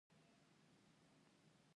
د مطبعې ریاست کتابونه چاپوي؟